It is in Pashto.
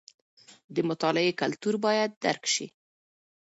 د مطالعې کلتور باید درک شي.